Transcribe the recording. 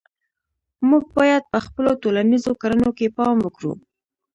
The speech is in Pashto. موږ باید په خپلو ټولنیزو کړنو کې پام وکړو.